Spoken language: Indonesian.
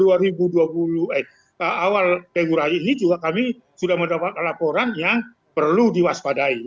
awal dua ribu dua puluh eh awal penggurah ini juga kami sudah mendapat laporan yang perlu diwaspadai